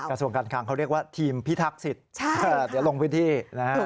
กระทรวงการคังเขาเรียกว่าทีมพิทักษิตเดี๋ยวลงพื้นที่นะฮะ